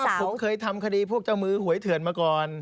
ผมเคยทำคดีพวกเจ้ามือหวยเถื่อนมาก่อน